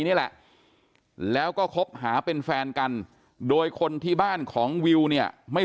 นี่แหละแล้วก็คบหาเป็นแฟนกันโดยคนที่บ้านของวิวเนี่ยไม่